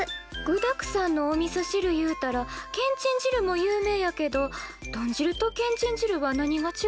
具だくさんのおみそ汁いうたらけんちん汁も有名やけど豚汁とけんちん汁は何がちがうん？